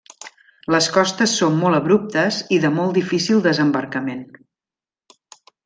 Les costes són molt abruptes i de molt difícil desembarcament.